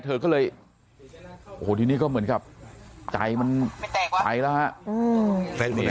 เธอก็เลยโอ้โหทีนี้ก็เหมือนกับใจมันไปแล้วฮะ